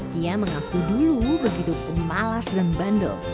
tia mengaku dulu begitu pun malas dan bandel